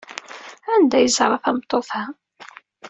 Anda ay yeẓra tameṭṭut-a?